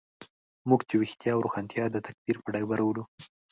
موږ چې ویښتیا او روښانتیا د تکفیر په ډبرو ولو.